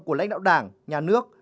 của lãnh đạo đảng nhà nước